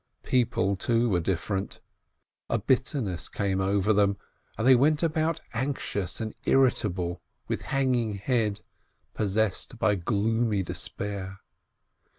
People, too, were different. A bitterness came over them, and they went about anxious and irritable, with hanging head, possessed by gloomy despair.